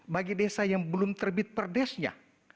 bagi desa yang belum terbit perdesnya